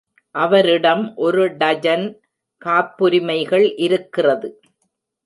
அவரிடம் ஒரு டஜன் காப்புரிமைகள் இருக்கிறது.